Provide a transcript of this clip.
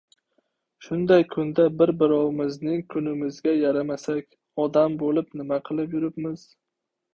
Shunday kunda bir-birovimizning kunimizga yaramasak, odam bo‘lib nima qilib yuribmiz...